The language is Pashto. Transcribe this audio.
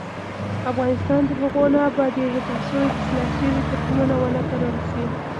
افغانستان تر هغو نه ابادیږي، ترڅو اصلاح شوي تخمونه ونه کارول شي.